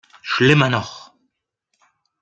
Schlimmer noch!